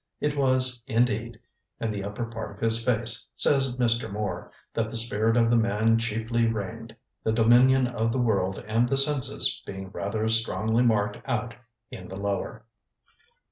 'It was, indeed, in the upper part of his face,' says Mr. Moore, 'that the spirit of the man chiefly reigned; the dominion of the world and the senses being rather strongly marked out in the lower.